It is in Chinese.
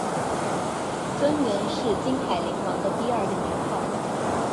贞元是金海陵王的第二个年号。